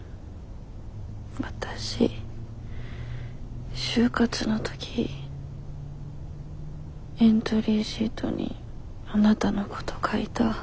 わたし就活の時エントリーシートにあなたのこと書いた。